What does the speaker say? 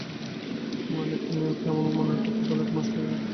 মানে, তুমি ওকে আমার কথা বলার পর এক মাস হয়ে গেল।